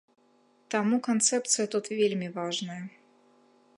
Таму канцэпцыя тут вельмі важная.